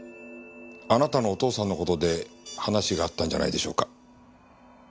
あなたのお父さんの事で話があったんじゃないでしょうか？